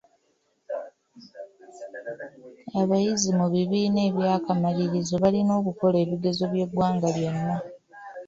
Abayizi mu bibiina eby'akamalirizo balina okukola ebigezo by'eggwanga lyonna.